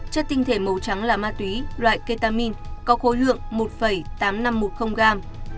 chất tinh thể màu trắng là ma túy loại ketamin có khối lượng một tám nghìn năm trăm một mươi gram